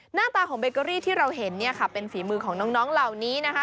หน้าตาของเบเกอรี่ที่เราเห็นเนี่ยค่ะเป็นฝีมือของน้องเหล่านี้นะคะ